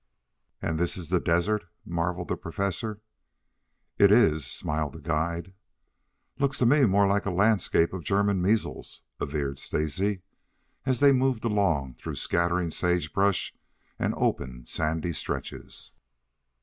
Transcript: "And this is the desert!" marveled the Professor. "It is," smiled the guide. "Looks to me more like a landscape of German measles," averred Stacy, as they moved along through scattering sage brush and open sandy stretches.